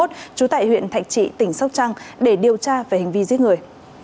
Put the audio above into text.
trú tại huyện thạch trị tỉnh sóc trăng để điều tra về hình vi giết người